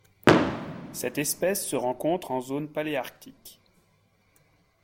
Cette espèce se rencontre en zone paléarctique.